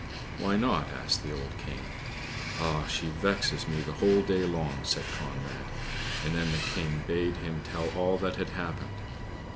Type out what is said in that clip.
"Why not?" asked the old King. "Oh! she vexes me the whole day long," said Conrad; and then the King bade him tell all that had happened.